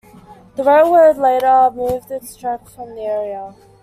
The railroad later removed its tracks from the area.